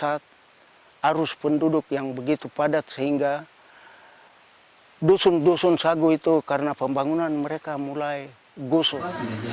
saat arus penduduk yang begitu padat sehingga dusun dusun sagu itu karena pembangunan mereka mulai gusur